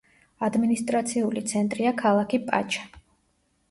ადმინისტრაციული ცენტრია ქალაქი პაჩა.